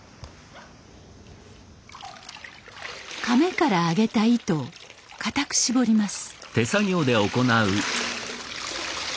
甕から上げた糸を固く絞ります。